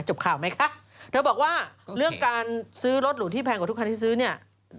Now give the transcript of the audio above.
จบข่าวไหมคะเธอบอกว่าเรื่องการซื้อรถหรูที่แพงกว่าทุกคันที่ซื้อเนี่ย